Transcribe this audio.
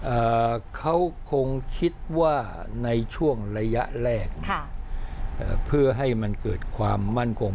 เอ่อเขาคงคิดว่าในช่วงระยะแรกค่ะเอ่อเพื่อให้มันเกิดความมั่นคง